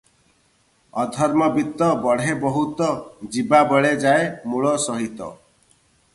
"ଅଧର୍ମବିତ୍ତ ବଢ଼େ ବହୁତ, ଯିବାବେଳେ ଯାଏ ମୂଳ ସହିତ ।"